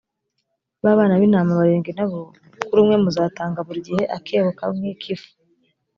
ba bana b’intama barindwi na bo, kuri umwe muzatanga buri gihe akebo kamwe k’ifu.